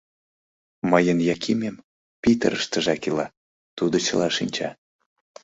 Мыйын Якимем Питырыштыжак ила, тудо чыла шинча.